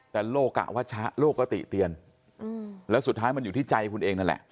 แต่โลกอ่ะวัชชะโลกก็ติเตียนแล้วสุดท้ายมันอยู่ที่ใจคุณเองนั่นแหละ